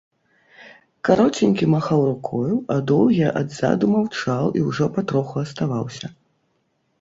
Кароценькі махаў рукою, а доўгі адзаду маўчаў і ўжо патроху аставаўся.